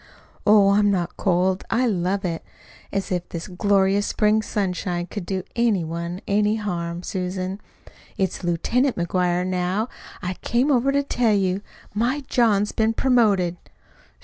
"Oh, I'm not cold. I love it. As if this glorious spring sunshine could do any one any harm! Susan, it's LIEUTENANT McGuire, now! I came over to tell you. My John's been promoted."